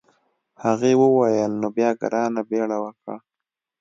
هغې وویل نو بیا ګرانه بیړه وکړه.